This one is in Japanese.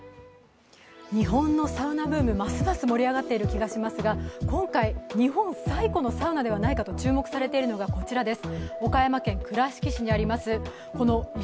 日本のサウナブーム、ますます盛り上がっている気がしますが今回、日本最古のサウナではないかと注目されているのがこちらです。